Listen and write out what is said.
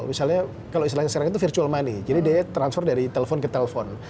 misalnya kalau istilahnya sekarang itu virtual money jadi dia transfer dari telepon ke telepon